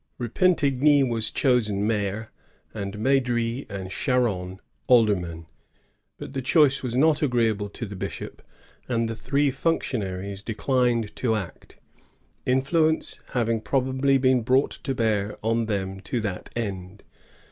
Repentigny was chosen mayor, and Madry and Charron aldermen; but the choice was not agreeable to the bishop, and the three func tionaries declined to act, influence having probably been brought to bear on them to that end.